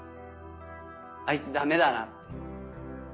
「あいつダメだな」って。